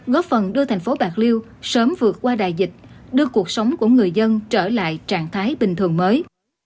góp phần đưa thành phố bạc liêu sớm vượt qua đại dịch đưa cuộc sống của người dân trở lại trạng thái bình thường mới